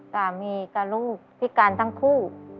สามีกับลูกพิการทั้งคู่